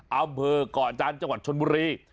อำเภอก่อจันทร์จังหวัดชนบุรี